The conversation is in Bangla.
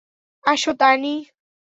আসো, তানি।